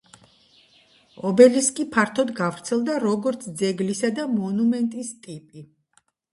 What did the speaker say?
ობელისკი ფართოდ გავრცელდა როგორც ძეგლისა და მონუმენტის ტიპი.